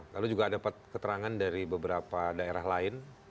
lalu juga dapat keterangan dari beberapa daerah lain